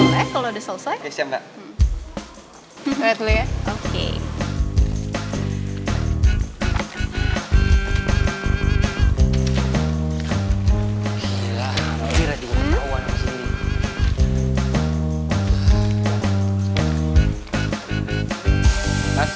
boleh kalo udah selesai